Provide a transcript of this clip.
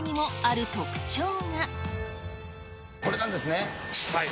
これなんですね。